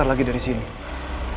astagfirullahaladzim ya allah